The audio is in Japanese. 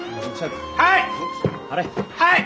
はい！